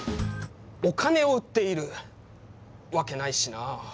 お金を売っているわけないしなあ。